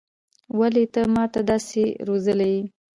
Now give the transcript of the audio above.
ولې ته ما داسې روزلى يې.